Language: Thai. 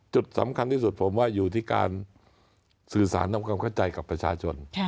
จุดสำคัญที่สุดผมว่าอยู่ที่การสื่อสารทำความเข้าใจกับประชาชน